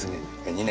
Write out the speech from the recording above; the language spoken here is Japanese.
２年！？